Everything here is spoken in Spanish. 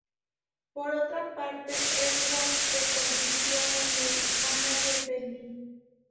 Por otra parte, Edwards se convirtió en el mánager de Lee.